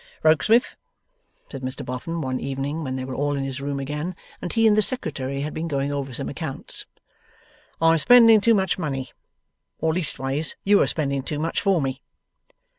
'Rokesmith,' said Mr Boffin one evening when they were all in his room again, and he and the Secretary had been going over some accounts, 'I am spending too much money. Or leastways, you are spending too much for me.